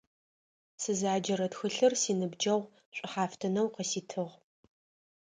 Сызаджэрэ тхылъыр синыбджэгъу шӀухьафтынэу къыситыгъ.